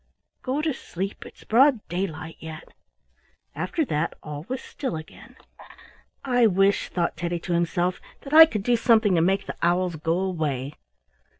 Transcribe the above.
Go to sleep; it's broad daylight yet." After that all was still again. "I wish," thought Teddy to himself, "that I could do something to make the owls go away."